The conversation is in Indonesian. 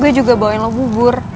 gue juga bawain lo bubur